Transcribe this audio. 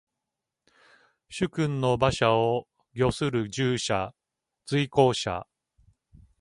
主君の車馬を御する従者。随行者。